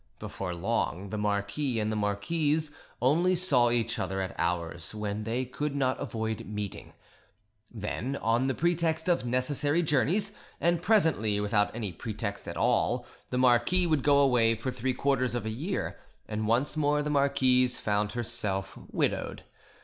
Before long, the marquis and the marquise only saw each other at hours when they could not avoid meeting; then, on the pretext of necessary journeys, and presently without any pretext at all, the marquis would go away for three quarters of a year, and once more the marquise found herself widowed.